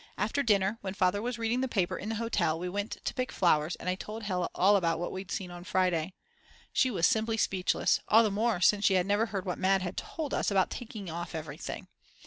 After dinner, when Father was reading the paper in the hotel, we went to pick flowers, and I told Hella all about what we'd seen on Friday. She was simply speechless, all the more since she had never heard what Mad. told us about taking off everything.